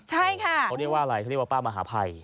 ใช่ค่ะเขาเรียกว่าอะไรเขาเรียกว่าป้ามหาภัย